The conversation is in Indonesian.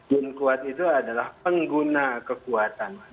yang kuat itu adalah pengguna kekuatan